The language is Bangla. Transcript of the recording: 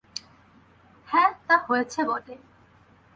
হ্যাঁ, তা হয়েছে বটে।